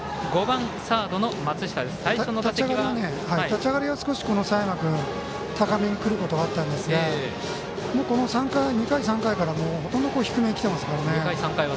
立ち上がりは少し佐山君高めにくることはあったんですがこの２回、３回からほとんど低めにきてますから。